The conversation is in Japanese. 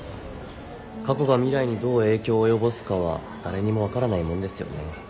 過去が未来にどう影響を及ぼすかは誰にも分からないもんですよね。